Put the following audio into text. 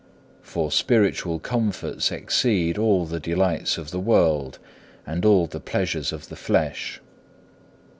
For spiritual comforts exceed all the delights of the world, and all the pleasures of the flesh.